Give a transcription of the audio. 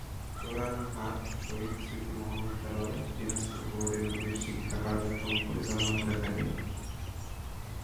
চড়ার হাট শহীদ স্মৃতি মহাবিদ্যালয় দিনাজপুর বোর্ড এর অধীনে শিক্ষা কার্যক্রম পরিচালনা করে থাকে।